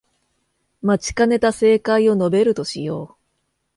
待ちかねた正解を述べるとしよう